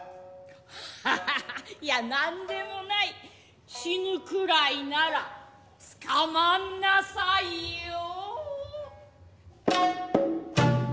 ハハハいやなんでもない死ぬくらいなら捕まんなさいよ！